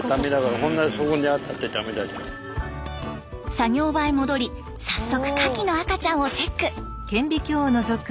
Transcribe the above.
作業場へ戻り早速カキの赤ちゃんをチェック。